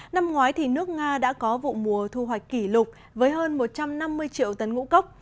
năm ngoái thì nước nga đã có vụ mùa thu hoạch kỷ lục với hơn một trăm năm mươi triệu tấn ngũ cốc